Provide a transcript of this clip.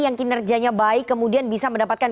yang kinerjanya baik kemudian bisa mendapatkan